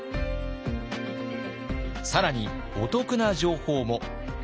更にお得な情報も！